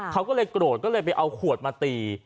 เขาก็เลยโกรธก็เลยไปเอาขวดมาตี